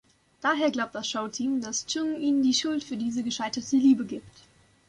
Daher glaubt das Show-Team, dass Chung ihnen die Schuld für diese gescheiterte Liebe gibt.